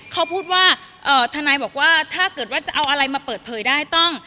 เขาพูดว่าทนายบอกว่าถ้าเกิดว่าจะเอาอะไรมาเปิดเผยได้ต้อง